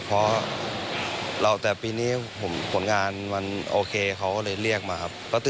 เพราะแต่ปีนี้ผลงานมันโอเคเขาก็เลยเรียกมาครับ